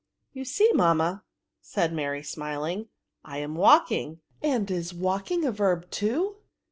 '' You see, mamma," said Mary, smiling— I am walking ; and is vfalking a verb too